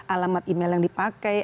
alamat email yang dipakai